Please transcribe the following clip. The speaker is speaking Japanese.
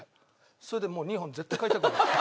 それでもう２本絶対買いたくなった。